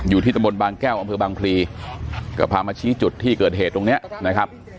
อยู่ที่ตำบลบางแก้วอำเภอบางพลีก็พามาชี้จุดที่เกิดเหตุตรงนี้นะครับ